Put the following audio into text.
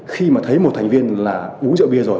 khi mà thấy một thành viên là uống rượu bia rồi